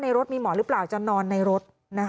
รถมีหมอหรือเปล่าจะนอนในรถ